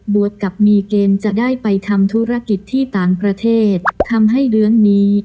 วดกับมีเกณฑ์จะได้ไปทำธุรกิจที่ต่างประเทศทำให้เรื่องนี้